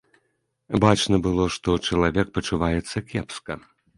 Бачна было, што чалавек пачуваецца кепска.